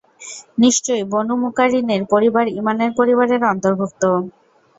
নিশ্চয় বনু মুকারিনের পরিবার ঈমানের পরিবারের অন্তর্ভুক্ত।